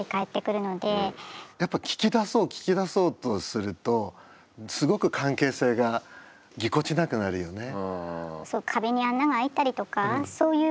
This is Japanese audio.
やっぱ聞き出そう聞き出そうとするとすごく関係性がぎこちなくなるよね。